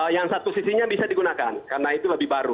yang satu sisinya bisa digunakan karena itu lebih baru